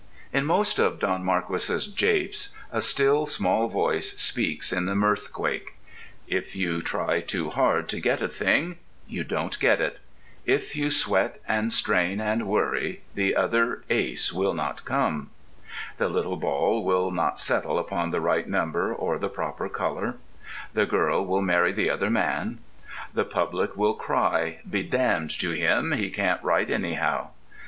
In most of Don Marquis's japes, a still small voice speaks in the mirthquake: If you try too hard to get a thing, you don't get it. If you sweat and strain and worry the other ace will not come—the little ball will not settle upon the right number or the proper colour—the girl will marry the other man—the public will cry, Bedamned to him! he can't write anyhow!